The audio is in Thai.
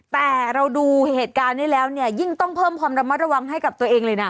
แต่เราดูเหตุการณ์นี้แล้วเนี่ยยิ่งต้องเพิ่มความระมัดระวังให้กับตัวเองเลยนะ